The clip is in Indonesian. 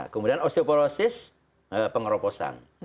kemudian osteoporosis pengerobosan